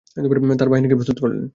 তার বাহিনীকে প্রস্তুত করলেন।